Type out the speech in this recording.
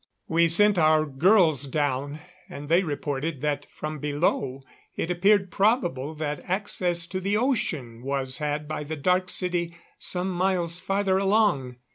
We sent our girls down, and they reported that from below it appeared probable that access to the ocean was had by the Dark City some miles farther along.